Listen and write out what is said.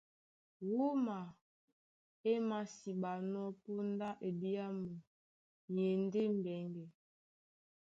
Wúma é māsiɓanɔ́ póndá ebyàmu e e ndé mbɛŋgɛ.